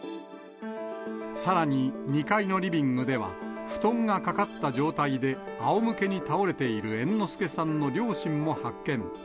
さらに２階のリビングでは、布団がかかった状態であおむけに倒れている猿之助さんの両親も発見。